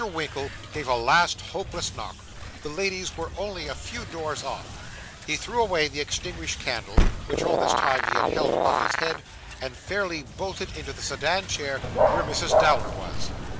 Winkle gave a last hopeless knock; the ladies were only a few doors off. He threw away the extinguished candle, which, all this time he had held above his head, and fairly bolted into the sedan chair where Mrs. Dowler was.